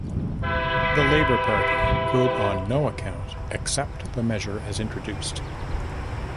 The Labor Party could on no account accept the measure as introduced.